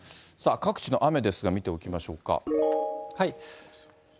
さあ、各地の雨ですが、見ておきましょうか。